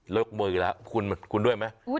ละโมยแล้วคุณด้วยไหม